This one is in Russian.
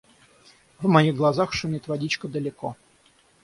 В моих глазах шумит водичка далеко.